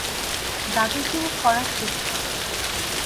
দাদাগিরি করা ঠিক নয়।